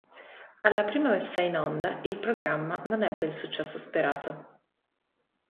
Alla prima messa in onda, il programma non ebbe il successo sperato.